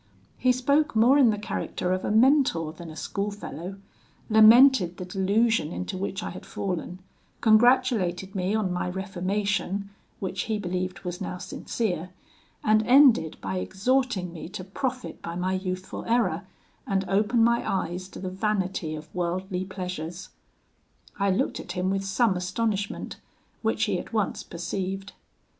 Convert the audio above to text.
He spoke more in the character of a mentor than a schoolfellow, lamented the delusion into which I had fallen, congratulated me on my reformation, which he believed was now sincere, and ended by exhorting me to profit by my youthful error, and open my eyes to the vanity of worldly pleasures. I looked at him with some astonishment, which he at once perceived.